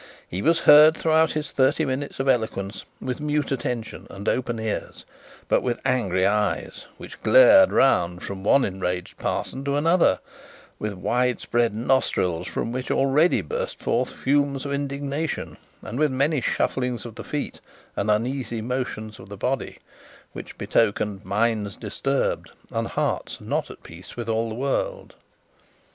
He was heard through his thirty minutes of eloquence with mute attention and open ears; but with angry eyes, which glared found form one enraged parson to another, with wide spread nostrils from which already burst forth fumes of indignation, and with many shufflings of the feet and uneasy motions of the body, which betokened minds disturbed, and hearts not at peace with all the world.